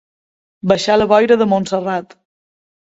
Baixar la boira de Montserrat.